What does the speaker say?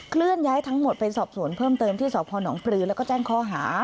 เลื่อนย้ายทั้งหมดไปสอบสวนเพิ่มเติมที่สพนปลือแล้วก็แจ้งข้อหา